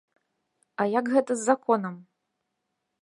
А як гэта з законам?